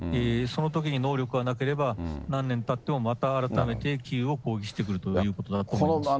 そのときに能力がなければ、何年たってもまた改めてキーウを攻撃してくるということだと思います。